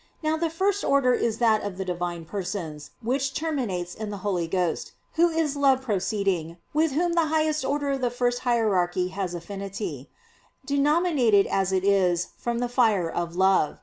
Now the first order is that of the Divine Persons, which terminates in the Holy Ghost, Who is Love proceeding, with Whom the highest order of the first hierarchy has affinity, denominated as it is from the fire of love.